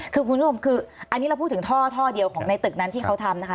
คือคุณผู้ชมคืออันนี้เราพูดถึงท่อเดียวของในตึกนั้นที่เขาทำนะคะ